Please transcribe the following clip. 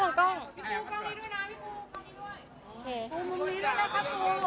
พี่ฟูกล้องนี้ด้วยนะพี่ฟูกล้องนี้ด้วย